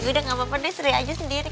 yaudah enggak apa apa deh seri aja sendiri